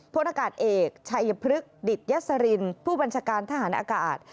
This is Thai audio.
พลอากาศเอกชัยพฤกษิตยสรินผู้บัญชาการทหารอากาศ